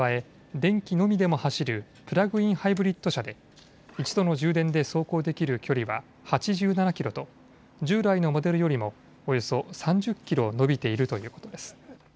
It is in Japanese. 電気のみでも走るプラグインハイブリッド車で一度の充電で走行できる距離は８７キロと従来のモデルよりもおよそ３０キロ伸びているということです。